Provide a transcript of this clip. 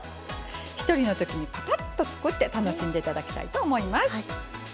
一人のときにぱぱっと作って楽しんでいただきたいと思います。